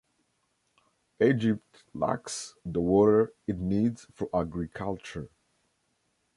Egypt lacks the water it needs for agriculture.